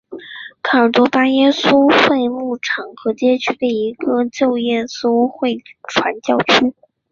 科尔多巴耶稣会牧场和街区的一个旧耶稣会传教区。